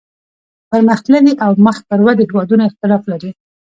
پرمختللي او مخ پر ودې هیوادونه اختلاف لري